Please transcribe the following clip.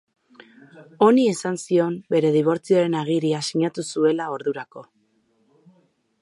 Honi esan zion bere dibortzioaren agiria sinatu zuela ordurako.